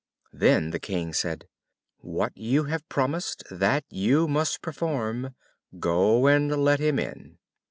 Then the King said, "What you have promised, that you must perform; go and let him in."